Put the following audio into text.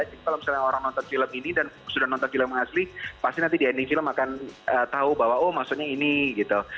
jadi kalau misalnya orang nonton film ini dan sudah nonton film asli pasti nanti di ending film akan tahu bahwa oh maksudnya ini gitu